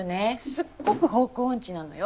すっごく方向音痴なのよ。